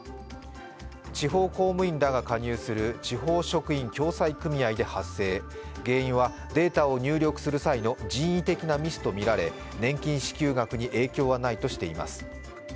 地方公務員らが加入する地方職員共済組合で発生、原因はデータを入力する際の人為的なミスとみられ年金支給額に影響はないとしています。